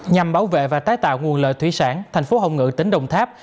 nhằm bảo vệ và tái tạo nguồn lợi thủy sản thành phố hồng ngự tỉnh đồng tháp